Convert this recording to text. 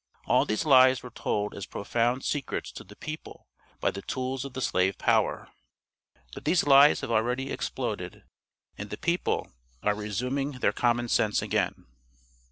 All these lies were told as profound secrets to the people by the tools of the slave power. But these lies have already exploded, and the people are resuming their common sense again.